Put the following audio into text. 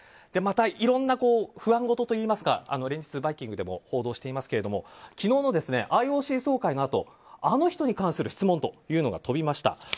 また、いろんな不安ごとといいますか連日「バイキング」でも報道していますけれども昨日のＩＯＣ総会のあとあの人に関する質問というのが飛びました。